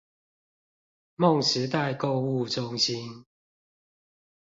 夢時代購物中心